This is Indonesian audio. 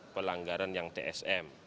pelanggaran yang tsm